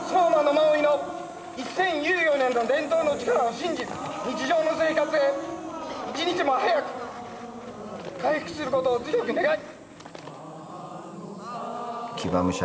馬追の一千有余年の伝統の力を信じ日常の生活へ一日も早く回復することを強く願い。